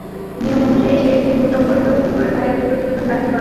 নিয়ম অনুযায়ী শেষ দিন গুদাম পরিদর্শন করে তাঁরা একটি প্রতিবেদন দাখিল করেন।